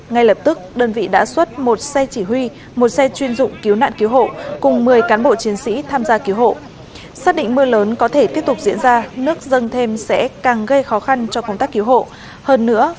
ngay lập tức đơn vị đã xuất một xe chỉ huy một xe chuyên dụng cứu nạn cứu hộ